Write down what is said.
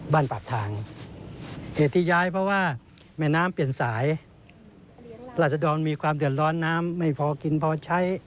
ด้านหลังเป็นพระอุโบสถค่ะ